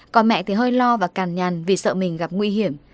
còn mẹ thì hơi lo và càn nhàn vì sợ mình gặp nguy hiểm